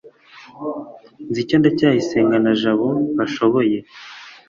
nzi icyo ndacyayisenga na jabo bashoboye